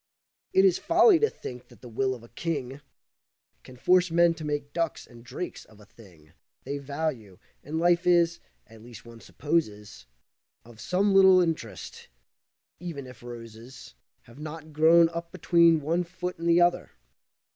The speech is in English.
It is folly to think that the will of a king Can force men to make ducks and drakes of a thing They value, and life is, at least one supposes, Of some little interest, even if roses Have not grown up between one foot and the other.